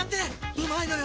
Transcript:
うまいのよ！